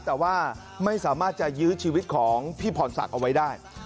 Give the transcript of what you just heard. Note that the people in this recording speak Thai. แต่ว่าไม่สามารถจะยื้อชีวิตของพี่พรศักดิ์เอาไว้ได้